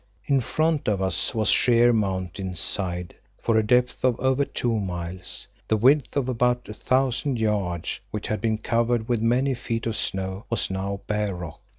In front of us was sheer mountain side, for a depth of over two miles, the width of about a thousand yards, which had been covered with many feet of snow, was now bare rock.